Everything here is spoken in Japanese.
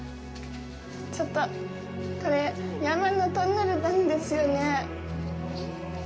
ちょっとこれ、山のトンネルなんですよね。